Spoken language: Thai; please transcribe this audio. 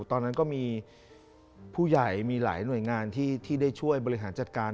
ตอนนั้นก็มีผู้ใหญ่มีหลายหน่วยงานที่ได้ช่วยบริหารจัดการ